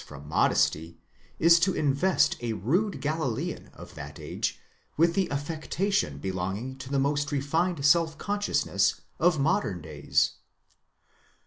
from modesty, is to invest a rude Galilean of that age with the affectation be longing to the most refined self consciousness of modern days.